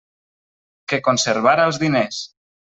Que conservara els diners!